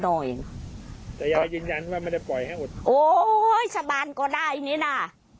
โอ้ยสบานก็ได้นี่น่ะ